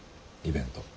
イベント。